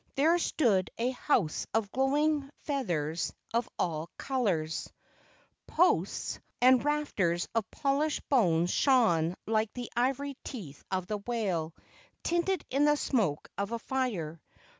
There stood a house of glowing feathers of all colors. Posts KE AU NINI 185 and rafters of polished bones shone like the ivory teeth of the whale, tinted in the smoke of a fire.